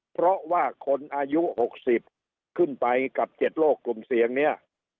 เพราะว่าคนอายุ๖๐ขึ้นไปกับ๗โลกกลุ่มเสี่ยงเนี่ย